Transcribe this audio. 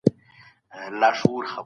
ملي شورا سیاسي بندیان نه ساتي.